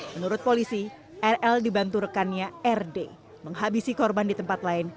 menurut polisi rl dibantu rekannya rd menghabisi korban di tempat lain